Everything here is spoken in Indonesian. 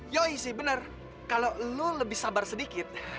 ya benar kalau lu lebih sabar sedikit